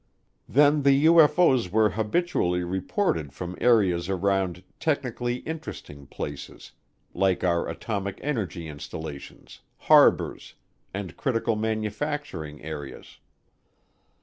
Then the UFO's were habitually reported from areas around "technically interesting" places like our atomic energy installations, harbors, and critical manufacturing areas.